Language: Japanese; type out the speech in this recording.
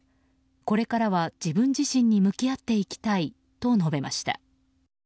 これからは自分自身に向き合っていきたいと述べました。